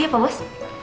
iya pak bos